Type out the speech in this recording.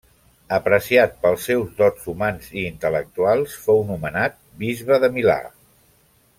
Apreciat pels seus dots humans i intel·lectuals, fou nomenat bisbe de Milà.